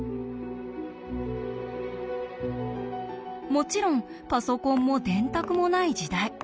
もちろんパソコンも電卓もない時代。